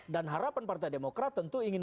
dan harapan partai demokrat tentu ingin